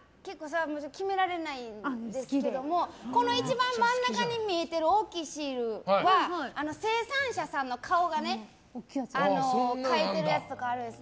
決められないんですけどもこの一番真ん中に見えている大きいシールは生産者さんの顔が描いてるやつとかあるんです。